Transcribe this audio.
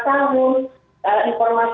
kami berharaplah kepada pemerintah